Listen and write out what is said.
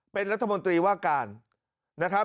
เป็นรัฐมนตรีว่าการนะครับ